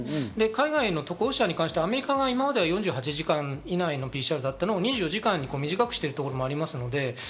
海外の渡航者に関してアメリカは今まで４８時間以内のＰＣＲだったのを２４時間に短くしているところもあります。